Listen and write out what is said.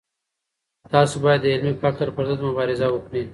تاسو بايد د علمي فقر پر ضد مبارزه وکړئ.